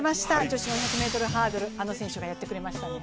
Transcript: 女子４００ｍハードル、あの選手がやってくれましたね。